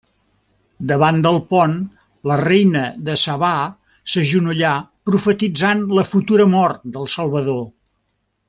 Davant del pont, la Reina de Sabà s'agenolla profetitzant la futura mort del Salvador.